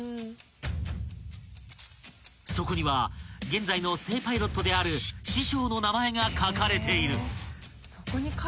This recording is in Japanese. ［そこには現在の正パイロットである師匠の名前が書かれている］